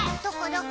どこ？